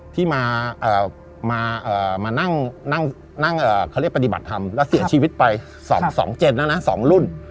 ที่มานั่งเขาเรียกปฏิบัติธรรมแล้วเสียชีวิตไป๒๗แล้วนะ๒รุ่น